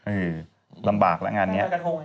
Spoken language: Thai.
เออลำบากละงานนี้